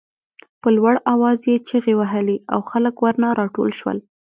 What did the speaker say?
په لوړ آواز یې چغې وهلې او خلک ورنه راټول شول.